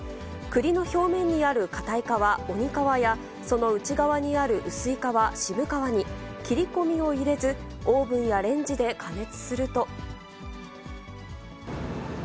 くりの表面にある固い皮、鬼皮や、その内側にある薄い皮、渋皮に、切り込みを入れず、オーブンやレンジで加熱すると。